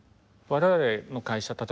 我々の会社